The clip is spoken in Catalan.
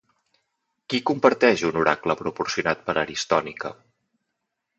Qui comparteix un oracle proporcionat per Aristònica?